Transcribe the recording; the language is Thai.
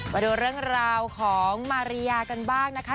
มาดูเรื่องราวของมาริยากันบ้างนะคะ